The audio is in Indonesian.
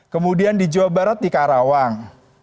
kemudian di jawa barat di karawang